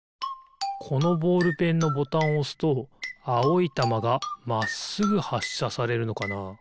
このボールペンのボタンをおすとあおいたまがまっすぐはっしゃされるのかな？